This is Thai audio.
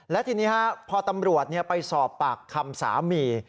และทีนี้พอตำรวจไปสอบปากคำสามี